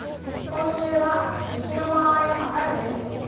今週は「石の間合いをはかる」です。